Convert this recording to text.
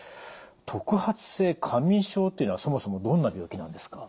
特発性過眠症というのはそもそもどんな病気なんですか？